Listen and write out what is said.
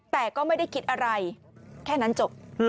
แต่ก็ไม่ได้คิดอะไรแค่นั้นจบ